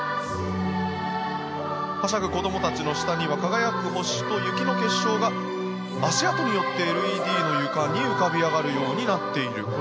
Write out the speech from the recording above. はしゃぐ子どもたちの下には輝く星と雪の結晶が足跡によってＬＥＤの床に浮かび上がるようになっている。